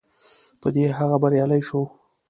په دې هغه بریالی شو.